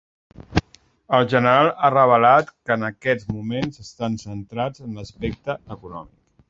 El general ha revelat que en aquests moments estan centrats en “l’aspecte econòmic”.